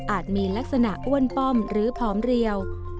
มีลักษณะอ้วนป้อมหรือผอมเรียว